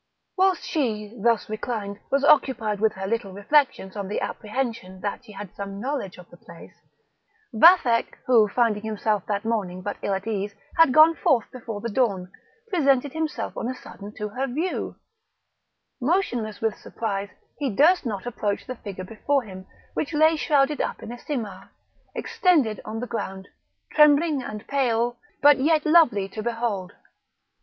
Whilst she, thus reclined, was occupied with her little reflections on the apprehension that she had some knowledge of the place, Vathek, who, finding himself that morning but ill at ease, had gone forth before the dawn, presented himself on a sudden to her view; motionless with surprise, he durst not approach the figure before him, which lay shrouded up in a simar, extended on the ground, trembling and pale, but yet lovely to behold.